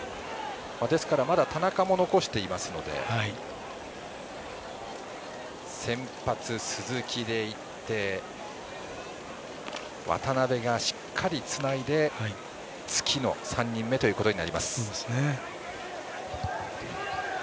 田中も残していますので先発、鈴木でいって渡邉がしっかりつないで月野、３人目ということになります。